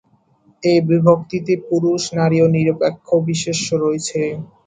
এই বিভক্তিতে পুরুষ, নারী ও নিরপেক্ষ বিশেষ্য রয়েছে।